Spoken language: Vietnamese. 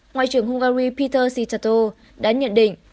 ngoại trưởng hungary peter sitato đã nhận định